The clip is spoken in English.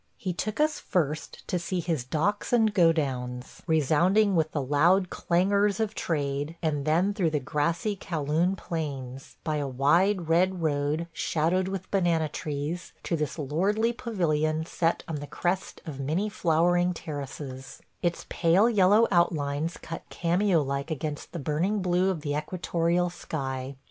He took us first to see his docks and godowns, resounding with the loud clangors of trade, and then through the grassy Kow Loon plains, by a wide red road shadowed with banana trees, to this lordly pavilion set on the crest of many flowering terraces – its pale yellow outlines cut cameo like against the burning blue of the equatorial sky.